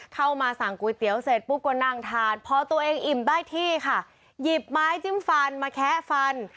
เข้ามาสั่งก๋วยเตี๋ยวเสร็จปุ๊บก็นั่งทานพอตัวเองอิ่มได้ที่ค่ะหยิบไม้จิ้มฟันมาแคะฟัน